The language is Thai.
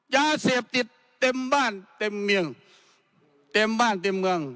ยาเสพติดเต็มบ้านเต็มเมืองเต็มบ้านเต็มเมือง